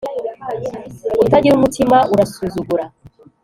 utagira umutima arasuzugura